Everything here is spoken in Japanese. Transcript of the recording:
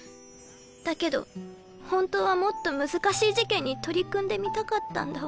だけど本当はもっと難しい事件に取り組んでみたかったんだわ。